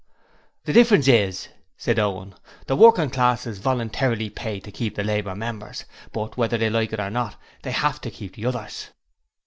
'The difference is,' said Owen, 'the working classes voluntarily pay to keep the Labour Members, but whether they like it or not, they have to keep the others.'